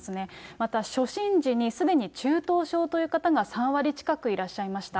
また初診時にすでに中等症という方が３割近くいらっしゃいました。